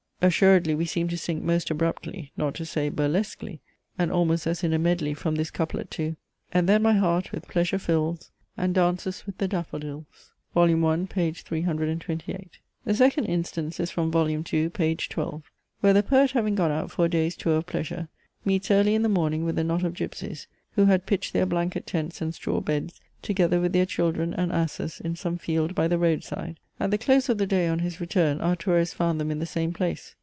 Assuredly we seem to sink most abruptly, not to say burlesquely, and almost as in a medley, from this couplet to "And then my heart with pleasure fills, And dances with the daffodils." Vol. I. p. 328. The second instance is from vol. II. page 12, where the poet having gone out for a day's tour of pleasure, meets early in the morning with a knot of Gipsies, who had pitched their blanket tents and straw beds, together with their children and asses, in some field by the road side. At the close of the day on his return our tourist found them in the same place.